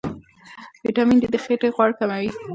ویټامین ډي د خېټې غوړ کموي.